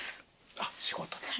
あっ仕事で。